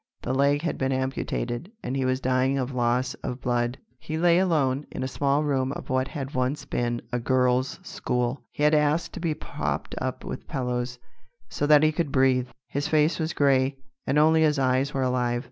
The leg had been amputated, and he was dying of loss of blood. He lay alone, in a small room of what had once been a girls' school. He had asked to be propped up with pillows, so that he could breathe. His face was grey, and only his eyes were alive.